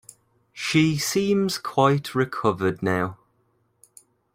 She seems quite recovered now.